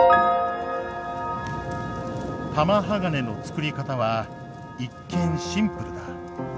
玉鋼のつくり方は一見シンプルだ。